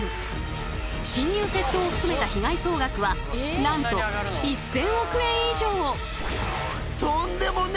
侵入窃盗を含めた被害総額はなんと１，０００億円以上！